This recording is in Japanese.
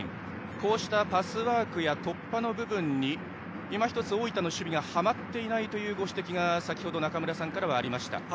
こうしたパスワークや突破の部分に今ひとつ大分の守備がはまっていないというご指摘が中村さんからありました。